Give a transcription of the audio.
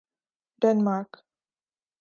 Denmark